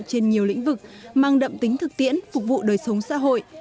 trên nhiều lĩnh vực mang đậm tính thực tiễn phục vụ đời sống xã hội